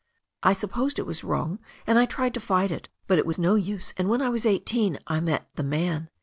I supposed it was wrong and I tried to fight it, but it was no use^ and when I was eighteen I met the man.